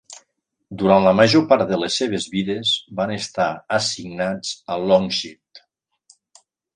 Durant la major part de les seves vides, van estar assignats a Longsight.